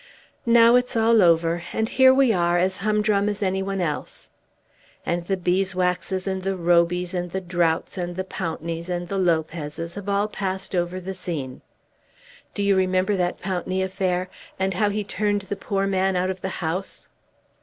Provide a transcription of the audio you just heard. Now it's all over, and here we are as humdrum as any one else. And the Beeswaxes, and the Robys, and the Droughts, and the Pountneys, and the Lopezes, have all passed over the scene! Do you remember that Pountney affair, and how he turned the poor man out of the house?"